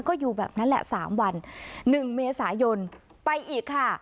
ก็อยู่แบบนั้นแหละ๓วัน๑เมษายนไปอีกค่ะ